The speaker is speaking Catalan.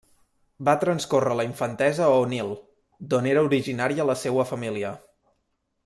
Va transcórrer la infantesa a Onil, d'on era originària la seua família.